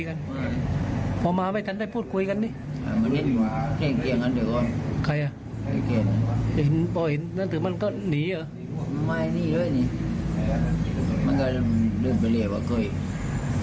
มันก็เริ่มไปเรียกว่าเก้าอีก